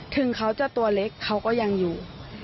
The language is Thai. ถึงเขาจะตัวเล็กเขาก็ยังอยู่